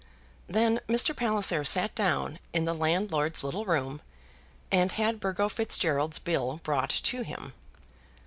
Then Mr. Palliser sat down in the landlord's little room, and had Burgo Fitzgerald's bill brought to him.